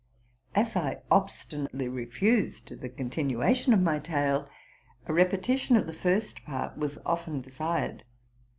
As I obstinately refused the continuation of my tale, a repetition of the first part was often desired.